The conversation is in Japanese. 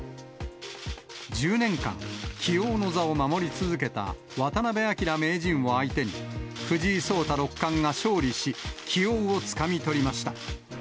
１０年間、棋王の座を守り続けた渡辺明名人を相手に、藤井聡太六冠が勝利し、棋王をつかみ取りました。